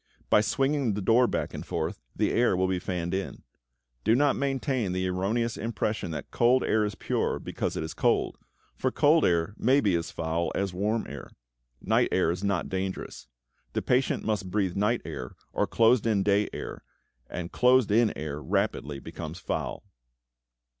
By swinging the door back and forth, the air will be fanned in. Do not maintain the erroneous impression that cold air is pure because it is cold, for cold air may be as foul as warm air. Night air is not dangerous. The patient must breathe night air or closed in day air, and closed in air rapidly becomes foul.